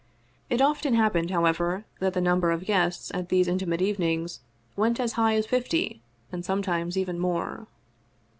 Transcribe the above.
It often happened, however, that the number of guests at these intimate evenings went as high as fifty, and sometimes even more.